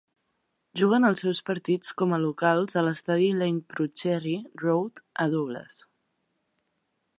Juguen els seus partits com a locals a l'estadi de Glencrutchery Road, a Douglas.